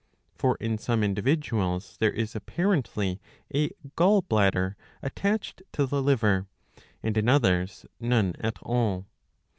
For in some individuals there is apparently a gall bladder attached to the liver, and in others none at all.